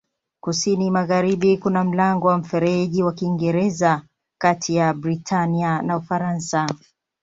Kusini-magharibi kuna mlango wa Mfereji wa Kiingereza kati ya Britania na Ufaransa.